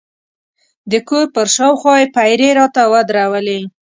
د کور پر شاوخوا یې پیرې راته ودرولې.